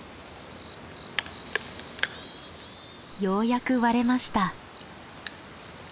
ようやく割れました。